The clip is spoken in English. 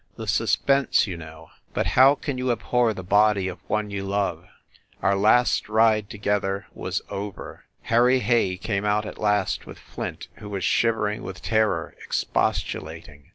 The suspense, you know. But how can you abhor the body of one you love ? Our last ride together ... was over. Harry Hay came out at last with Flint, who was shivering with terror, expostulating.